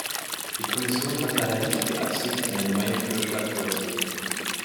Die Kommission hat daher nicht die Absicht, einen neuen Vorschlag vorzulegen.